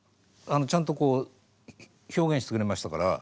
ちゃんとこう表現してくれましたから。